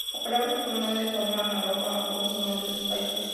La palabra está formada de forma análoga a los nombres de los países.